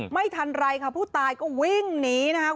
ไม่ทันไรค่ะผู้ตายก็วิ่งหนีนะครับ